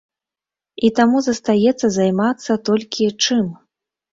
І таму застаецца займацца толькі чым?